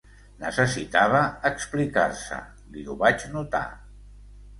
Necessitava explicar-se, li ho vaig notar.